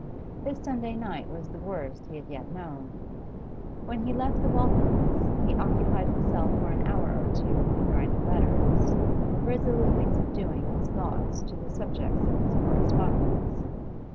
This Sunday night was the worst he had yet known. When he left the Walthams, he occupied himself for an hour or two in writing letters, resolutely subduing his thoughts to the subjects of his correspondence.